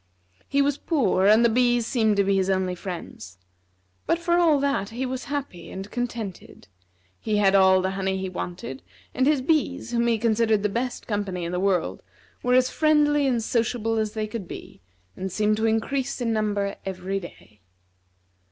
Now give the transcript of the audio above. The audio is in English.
He was poor, and the bees seemed to be his only friends. But, for all that, he was happy and contented; he had all the honey he wanted, and his bees, whom he considered the best company in the world, were as friendly and sociable as they could be, and seemed to increase in number every day.